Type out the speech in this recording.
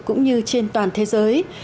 cũng như trên toàn thế giới